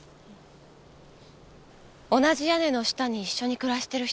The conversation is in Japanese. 同じ屋根の下に一緒に暮らしてる人がいる。